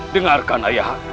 dengarkan ayah anda